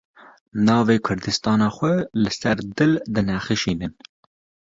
Navê kurdistana xwe li ser dil dinexşînin.